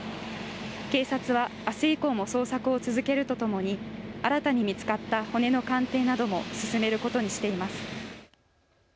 警察はあす以降も捜索を続けるとともに新たに見つかった骨の鑑定なども進めることにしています。